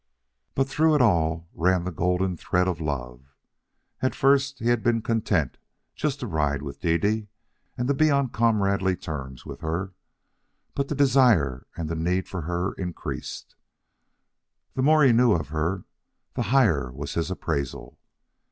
But through it all ran the golden thread of love. At first he had been content just to ride with Dede and to be on comradely terms with her; but the desire and the need for her increased. The more he knew of her, the higher was his appraisal.